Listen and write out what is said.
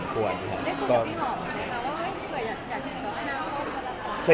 ได้คุยกับพี่ห่อมหรือได้ไหมว่าเผื่อจะกับแอนาโฮสแล้ว